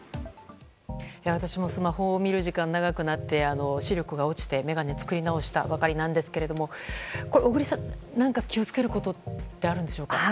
私もスマホを見る時間長くなって視力が落ちて眼鏡を作り直したばかりなんですが小栗さん、気を付けることって何かあるんでしょうか？